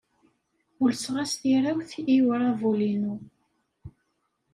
Ulseɣ-as tirawt i uṛabul-inu.